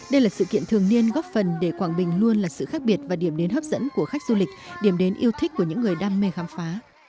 đây là sự kiện thường niên góp phần để quảng bình luôn là sự khác biệt và điểm đến hấp dẫn của khách du lịch điểm đến yêu thích của những người đam mê khám phá